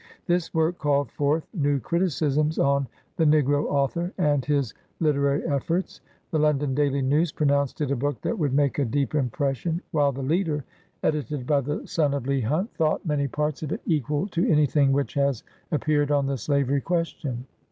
This work called forth new criticisms on the "Negro Author" and his lite rary efforts. The London Daily Neivs pronounced it a book that would make a deep impression ; while the Leader, edited by the son of Leigh Hunt, thought many parts of it "equal to any thing which has ap peared on the slavery question."